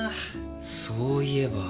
そういえば。